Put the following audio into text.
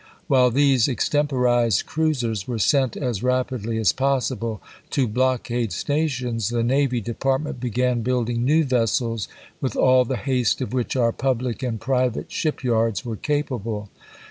While these extemporized cruisers were sent as rapidly as possible to blockade stations, the Navy Department began building new vessels with all the haste of which our public and private ship yards were capable.